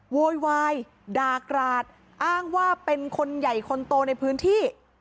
โวยวายด่ากราดอ้างว่าเป็นคนใหญ่คนโตในพื้นที่